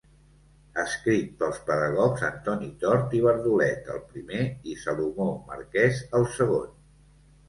Escrits pels pedagogs Antoni Tort i Bardolet el primer, i Salomó Marquès el segon.